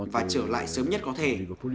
và trở lại sớm nhất có thể